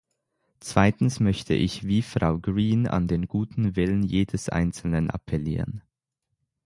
Zweitens möchte ich wie Frau Green an den guten Willen jedes einzelnen appellieren.